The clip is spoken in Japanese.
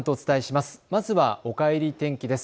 まずはおかえり天気です。